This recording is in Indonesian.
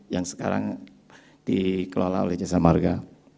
yang sekarang dikelola oleh jasa marga